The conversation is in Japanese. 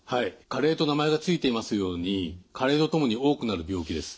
加齢と名前が付いていますように加齢とともに多くなる病気です。